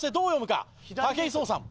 武井壮さん